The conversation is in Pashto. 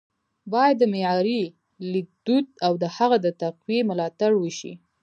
ـ بايد د معیاري لیکدود او د هغه د تقويې ملاتړ وشي